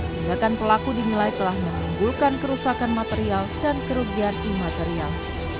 tindakan pelaku dinilai telah menimbulkan kerusakan material dan kerugian imaterial